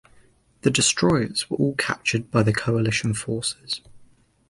The destroyers were all captured by the coalition forces.